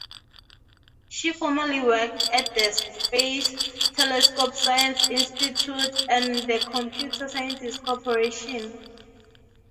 She formerly worked at the Space Telescope Science Institute and the Computer Sciences Corporation.